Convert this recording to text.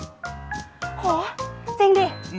โอ้โหจริงดิ